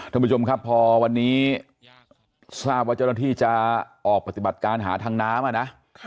ท่านผู้ชมครับพอวันนี้ทราบว่าเจ้าหน้าที่จะออกปฏิบัติการหาทางน้ำอ่ะนะ